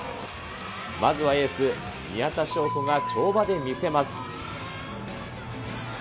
まずはエース、宮田笙子が跳馬で見せます。